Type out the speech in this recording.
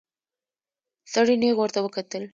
سړي نيغ ورته وکتل.